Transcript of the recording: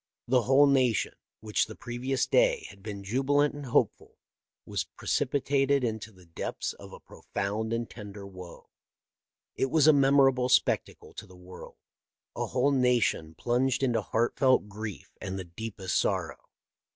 The whole nation, which the previous day had been jubilant and hopeful, was precipitated into the depths of a profound and tender woe. It was a memorable spectacle to the world — a whole nation plunged into heartfelt grief and the deepest sorrow.